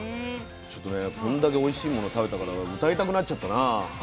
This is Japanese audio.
ちょっとねこんだけおいしいもの食べたから歌いたくなっちゃったな。